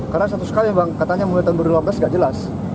karena status kaya bang katanya mulai tahun dua ribu delapan belas tidak jelas